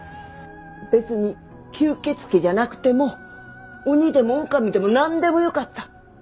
別に吸血鬼じゃなくても鬼でもオオカミでもなんでもよかった。